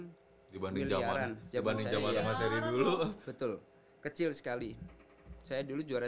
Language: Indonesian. sebenarnya saya bilang dibanding zaman dibanding zaman pertama seri dulu betul kecil sekali saya dulu juara